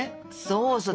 そうそう。